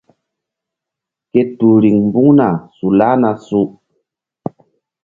Ke tul riŋ mbuŋna su lahna su.